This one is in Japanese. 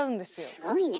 すごいね。